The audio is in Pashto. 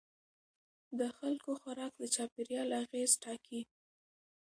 د خلکو خوراک د چاپیریال اغېز ټاکي.